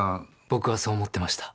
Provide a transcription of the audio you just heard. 僕はそう思ってました。